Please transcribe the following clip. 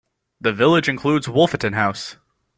The village includes Wolfeton House.